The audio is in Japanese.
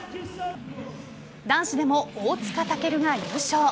男子でも、大塚健が優勝。